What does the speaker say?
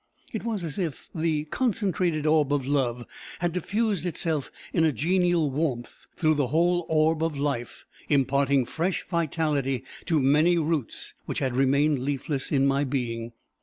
It was as if the concentrated orb of love had diffused itself in a genial warmth through the whole orb of life, imparting fresh vitality to many roots which had remained leafless in my being.